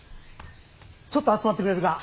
ちょっと集まってくれるか。